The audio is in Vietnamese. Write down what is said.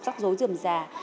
rắc rối dườm già